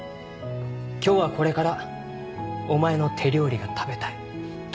「今日はこれからお前の手料理が食べたい」と。